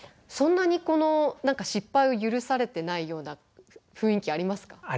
そんなに何か失敗を許されてないような雰囲気ありますか？